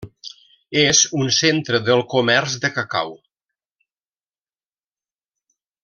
És un centre del comerç de cacau.